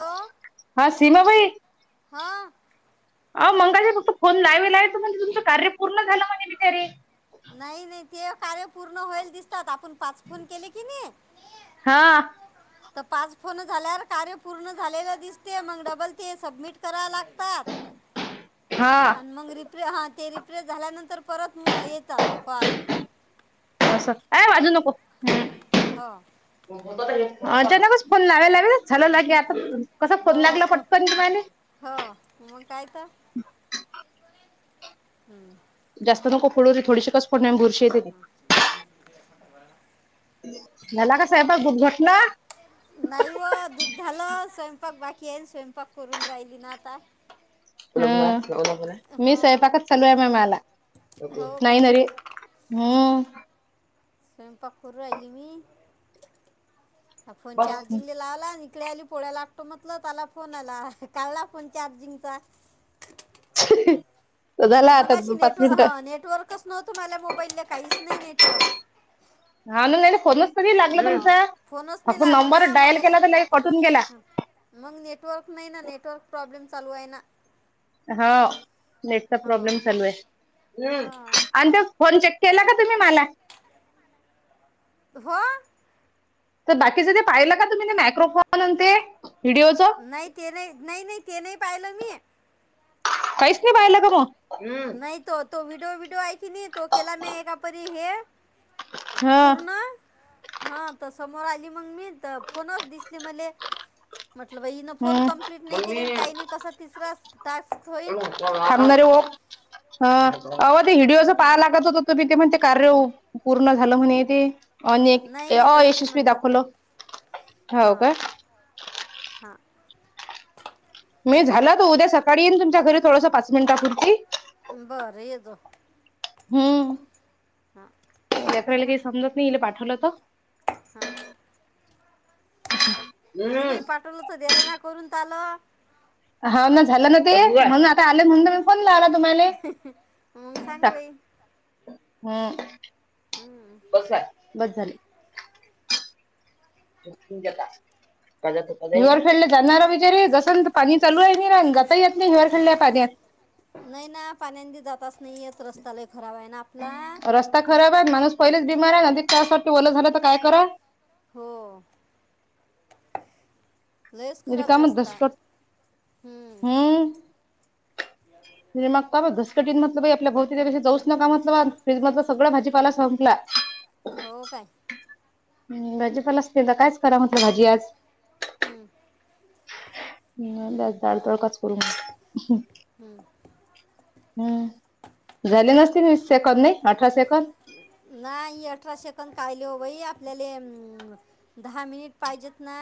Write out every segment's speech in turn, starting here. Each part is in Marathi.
हो हा सीमाबाई हा. अ मंगाशी फक्त फोन लावेलाय ते म्हणत तुमचं कार्य पूर्ण झालं म्हणे मी तेरी नाई नाई ते कार्य पूर्ण होईल दिसतात आपण पाच फोन केले किनि. हा तर पाच फोन झाल्यावर कार्य पूर्ण झालेलं दिसते मग डबल ते सबमिट कराय लाग तात आण हा मग रिप्र हा ते रिफ्रेश झाल्यानंतर परत मं येत त कॉल. ए वाजऊ नको हां हो त्यांना कस फोन लावाय ला झाललघे आता कसा फोन हो लागला हो पटकन तुमाने. हो मग काय तर. हम्म. जास्त नको फोडू थोडीशी कस फोडन्यान बुर [inaudible] झाला का साहेब गुपघटला? नाही व दुध झालं स्वयंपाक बाकी हाई स्वयंपाक करून राहिली ना आता. ह मी हां स्वयंपाकच चालू आम्ही माला. हो नाही काय ना रे हम्म. स्वयंपाक करू राहिली मी हा फोन चार्जिंगला लावला आली पोळ्याला लाटतो म्हटलं ताला फोन आला काढला फोन चार्जिंगचा. झाला आता मगाशी पाच नेटव मिनिटं हा नेटवर्कच नव्हतु मला मोबाईल्ला काहीच नाही नेटवर्क. अून नाही ना फोनच कधी लागला हा तुमचा फोनच नाही फक्त लागो नंबर ना मग डाईल केला अशी तर कटून गेला. मग नेटवर्क नाही ना नेटवर्क प्रॉब्लेम चालू आहे ना. हा नेटचा प्रॉब्लेम हां चालू आहे हम्म हां आणि फोन चे केला का तुम्ही मला? हो. तर बाकीच ते पाहिलं का तुम्ही ते मायक्रोफोन आण ते व्हिडिओच नाही ते नाही नाही नाही ते नाही पाहिलं मी. काहीच नाही पाहिलं का तु? हम्म. नाही तो तो व्हिडिओ व्हडिओ ऐ की नाही तो केला मी एकापरी हे हा पूर्ण हा तसं मोर आली मग मी त फोनच दिसली मले. म्हटलं बा हीन फोन हम्म कंप्लीट नाही केले काही नाही कसा तिसरा तास्क होईल. थांबणारे अ ते व्हिडिओ पहा लागत होत तुम ते कार्य पूर्ण झालं हो नाही ते अने नाही नाही तसेच यशस्वी म्हणतात दाखवल ते हो का हां [inaudible] ी झालं तो उद्याकाळी येन तुमच्या घरी थोडसं पाच मिनटांपूरती बर यदो हम्म यातला काही समजत नाही इला पाठवलं तर हा तिलाही पाठवलाच दिलं ना करून आलं [unintelligible] हा ना झालं ना ते म्हणून आता आले म्हणून हं. मी फोन लावला तुम्हाला मग सांग बाई हम् बस बस झाली कता हिर खेळडला जाणार वििचारे जसल तर पाणी चालू आहे नाही ना जाता येत नाही हिर खेळड पाण्यात नाही ना पाण्यांद जात अस स्नेयत रस्ताला खराब आहे ना आपला म नदीत काय ओलं झालं तर काय करा हो लस खराप रिकाम रस्ता धसकट हम्म नि मगता बदस टीटलं आपल्या भवती त्या दि जाऊच नका म्हलं फ्रीज मधलं सगळं भाजीपाला संपला हो काय भाजी पल असतील तर कायच करा मात्र भाजी आज हम् बस दाल तडका काज करू म हम्म झाले नसतील वीशेकद नाही अठराशे नाही अठराशे आपल्या द मिनट पाहिज ना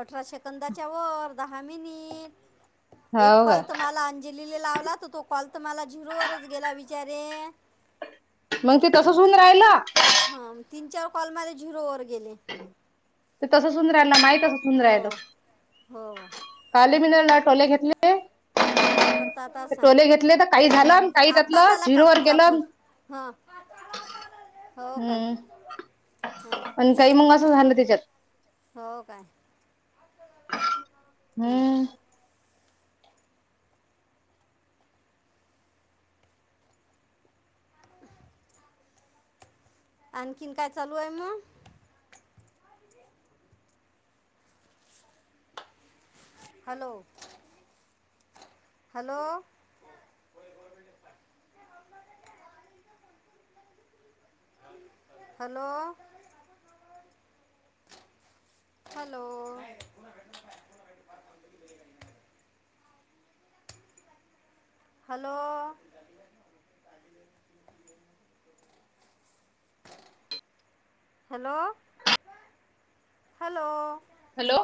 अठरा सेकंदा त्यावरवर दहा मिनिट एक हाव कॉल का तर मला अंजलीला लावला तर तो कॉल तर मला झुरूवरच गेला विचारे मग ते तस सुून राहिलं प म ते जरूर ते तस सुंद रा ना माही तस सुंद हो राहिल हो काल टोले घेतले ह काय करता आता सांग टोले घेतले तर काही झालं काही त्यातलं जिरो ववर केलं हा हो काय हम्म ह आणि काही मग असं झालं त्याच्यात हो काय हं. हम्म आणखिन काय चालू आहे म hello hello hello hello hello hello, hello hello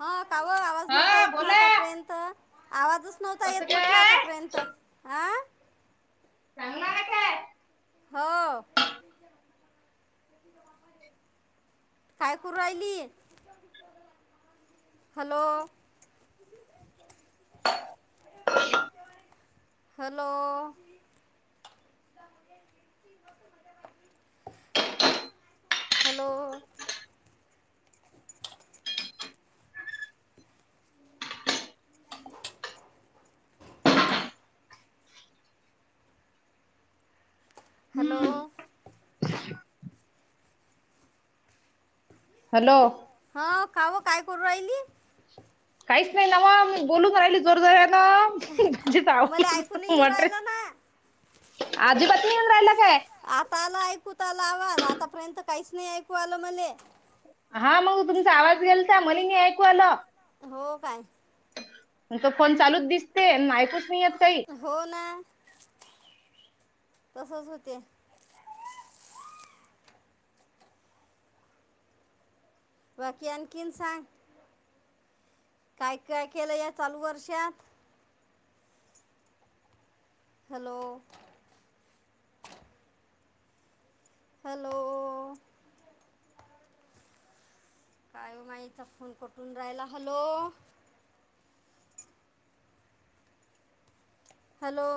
हा काव आवा आ नव्हता हा येत ना बोला आतापर्यंत आवाजच नव्हता कसं येत म्हटलं काय आतापर्यंत ह नग का हो काय करर राहिली हॅलो ह हॅलो हॅलो हॅलो हम्म हॅलो कावं काय करू राहिली काहीच नाही नावा मी बोलून राहिली जोरदोर मला ऐकून येऊ राहिलं ना आजीबात आता आला ऐकूत आला आवाज आतापर्यंत काहीच नाही ऐकू आलं मले हा मग तुमचा आवाज गेलता मलिनी ऐकू अल हो काय तो फोन चालूच दिसते ऐकूच नाही येत काही हो ना तसच होते बाकी आणखीन सांग काय काय केलं या चालू वर्षात हॅलो हॅलो, काय माईचा फोन कट होऊन राहिला. Hello, hello,